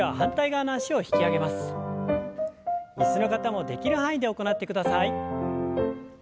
椅子の方もできる範囲で行ってください。